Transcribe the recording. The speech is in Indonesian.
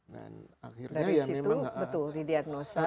dan akhirnya ya memang gak ada